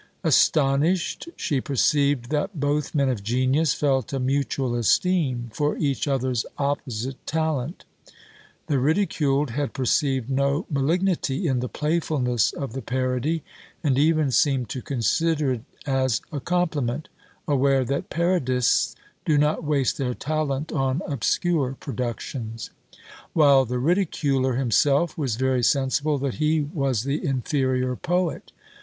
Astonished, she perceived that both men of genius felt a mutual esteem for each other's opposite talent; the ridiculed had perceived no malignity in the playfulness of the parody, and even seemed to consider it as a compliment, aware that parodists do not waste their talent on obscure productions; while the ridiculer himself was very sensible that he was the inferior poet.